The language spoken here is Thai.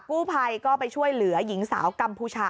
กู้ภัยก็ไปช่วยเหลือหญิงสาวกัมพูชา